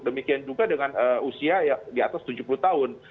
demikian juga dengan usia di atas tujuh puluh tahun